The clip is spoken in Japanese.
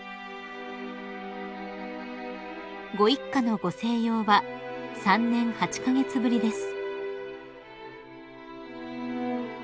［ご一家のご静養は３年８カ月ぶりです］